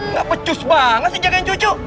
nggak pecus banget sih jagain cucu